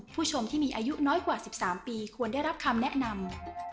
ผู้ชมที่มีอายุน้อยกว่า๑๓ปีควรได้รับคำแนะนำ